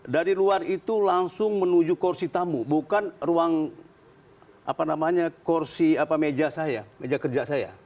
dari luar itu langsung menuju kursi tamu bukan ruang apa namanya kursi apa meja saya meja kerja saya